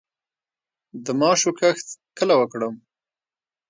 د ماشو کښت کله وکړم؟